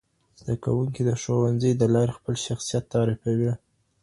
زدهکوونکي د ښوونځي د لارې خپل شخصیت تعریفوي.